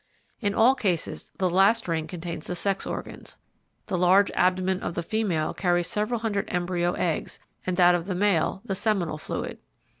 In all cases the last ring contains the sex organs. The large abdomen of the female carries several hundred embryo eggs, and that of the male the seminal fluid.